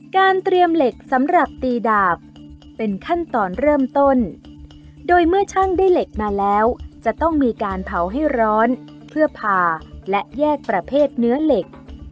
เตรียมเหล็กสำหรับตีดาบเป็นขั้นตอนเริ่มต้นโดยเมื่อช่างได้เหล็กมาแล้วจะต้องมีการเผาให้ร้อนเพื่อผ่าและแยกประเภทเนื้อเหล็ก